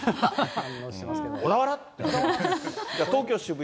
小田原？って。